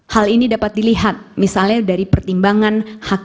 hal ini dapat dilihat misalnya dari pertimbangan hakim di malawi